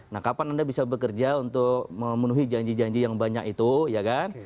nah kapan anda bisa bekerja untuk memenuhi janji janji yang banyak itu ya kan